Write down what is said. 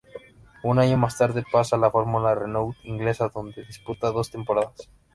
Un año más tarde pasa a la Fórmula Renault inglesa donde disputa dos temporadas.